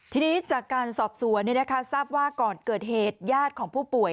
ที่นี้จากการสอบส่วนในเนื้อถ้าทราบว่าก่อนเกิดเหตุยาตร์ของผู้ป่วย